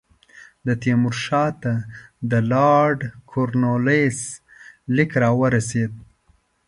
د تیمور شاه ته د لارډ کورنوالیس لیک را ورسېد.